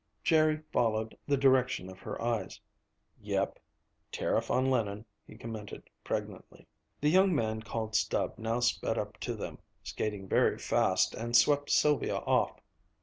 Jerry followed the direction of her eyes. "Yep tariff on linen," he commented pregnantly. The young man called Stub now sped up to them, skating very fast, and swept Sylvia off.